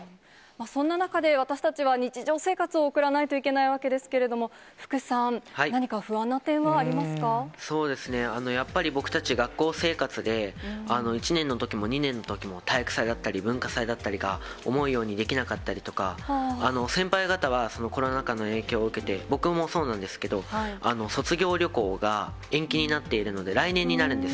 そんな中で、私たちは日常生活を送らないといけないわけですけれども、福さん、そうですね、やっぱり僕たち学校生活で、１年のときも２年のときも、体育祭だったり文化祭だったりが思うようにできなかったりとか、先輩方はコロナ禍の影響を受けて、僕もそうなんですけど、卒業旅行が延期になっているので、来年になるんです。